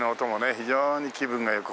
非常に気分が良く。